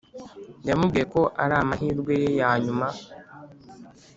yamubwiye ko ari amahirwe ye yanyuma